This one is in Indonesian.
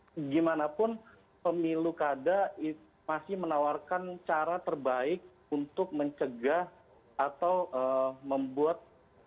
sesimpel itu karena gimana pun pemilu kada masih menawarkan cara terbaik untuk mencegah atau membuat